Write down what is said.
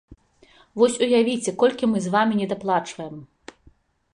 Вось уявіце, колькі мы з вамі недаплачваем!